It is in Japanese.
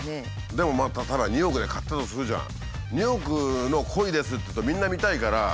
でもただ２億で買ったとするじゃん。